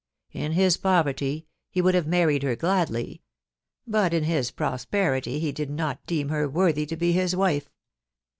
In his poverty he would have married her gladly, but in his prosperity he did not deem her worthy to be his wife.